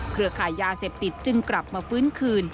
ขายยาเสพติดจึงกลับมาฟื้นคืน